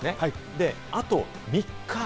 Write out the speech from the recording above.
で、あと３日。